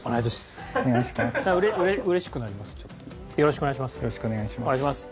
よろしくお願いします。